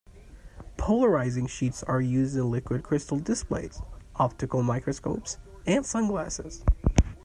Polarizing sheets are used in liquid-crystal displays, optical microscopes and sunglasses.